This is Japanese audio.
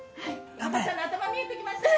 ・赤ちゃんの頭見えてきましたよ